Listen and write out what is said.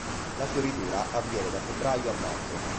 La fioritura avviene da febbraio a maggio.